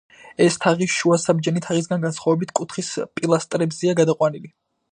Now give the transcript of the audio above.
ეს თაღი, შუა საბჯენი თაღისგან განსხვავებით, კუთხის პილასტრებზეა გადაყვანილი.